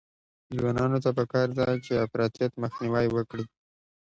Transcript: ځوانانو ته پکار ده چې، افراطیت مخنیوی وکړي.